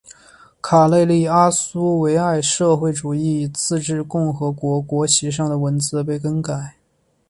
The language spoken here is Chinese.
卡累利阿苏维埃社会主义自治共和国国旗上的文字被更改。